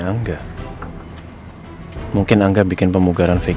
jangan lupa buka puasanya